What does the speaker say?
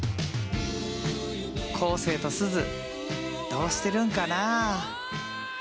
生とすずどうしてるんかな？